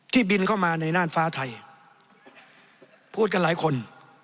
บินเข้ามาในน่านฟ้าไทยพูดกันหลายคน